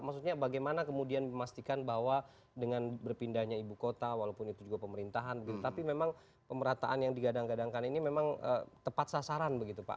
maksudnya bagaimana kemudian memastikan bahwa dengan berpindahnya ibu kota walaupun itu juga pemerintahan tapi memang pemerataan yang digadang gadangkan ini memang tepat sasaran begitu pak